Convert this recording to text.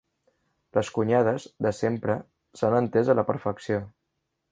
Les cunyades, de sempre, s'han entès a la perfecció.